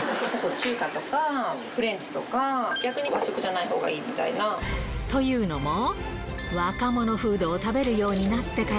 中華とか、フレンチとか、逆に和食じゃないほうがいいみたいな。というのも、若者フードを食べるようになってから。